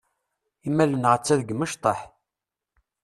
Imal-nneɣ ata deg imecṭaḥ.